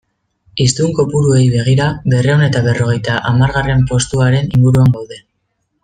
Hiztun kopuruei begira, berrehun eta berrogeita hamargarren postuaren inguruan gaude.